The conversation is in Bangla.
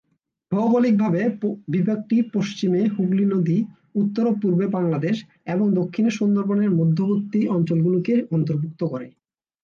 ভৌগোলিকভাবে বিভাগটি পশ্চিমে হুগলি নদী, উত্তর ও পূর্বে বাংলাদেশ এবং দক্ষিণে সুন্দরবনের মধ্যবর্তী অঞ্চলগুলি অন্তর্ভুক্ত করে।